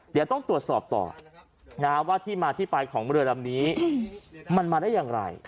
เดี๋ยวต้องตรวจสอบต่อว่าที่มาที่ไปของเรือลำนี้มันมาได้อย่างไร